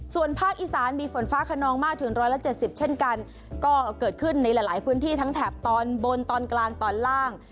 ส่วนภาคอีสานมีฝนฟ้าขนองมากถึง๑๗๐เช่นกันก็เกิดขึ้นในหลายพื้นที่ทั้งแถบตอนบนตอนกลางตอนล่าง